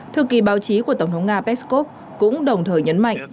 thư kỳ báo chí của tổng thống nga peskov cũng đồng thời nhấn mạnh